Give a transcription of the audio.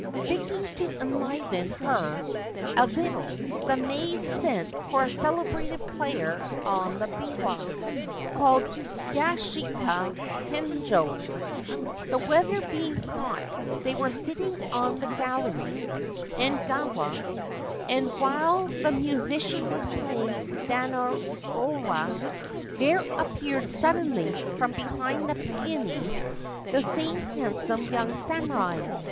Thinking to enliven her a little, the maids sent for a celebrated player on the biwa, called Yashaskita Kengyo. The weather being hot, they were sitting on the gallery (engawa) ; and while the musician was playing c Dannoura ' there appeared suddenly from behind the peonies the same handsome young samurai.